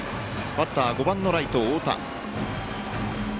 バッター、５番のライト、太田。